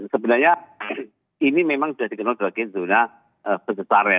sebenarnya ini memang sudah dikenal sebagai zona bergetar ya